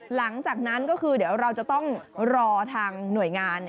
หลังจากนั้นก็คือเดี๋ยวเราจะต้องรอทางหน่วยงาน